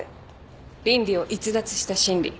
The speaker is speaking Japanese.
倫理を逸脱した審理。